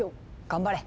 頑張れ！